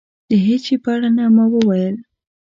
د هېڅ شي په اړه نه. ما وویل.